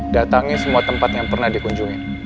datangi semua tempat yang pernah dikunjungi